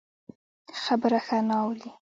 خبره ښه نه اوري.